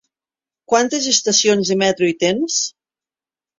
Quantes estacions de metro hi tens?